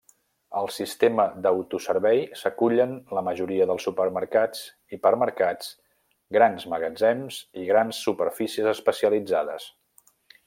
Al sistema d'autoservei s'acullen la majoria dels supermercats, hipermercats, grans magatzems i grans superfícies especialitzades.